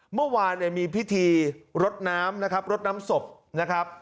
เมื่อวานเนี่ยมีพิธีรดน้ำนะครับรดน้ำศพนะครับ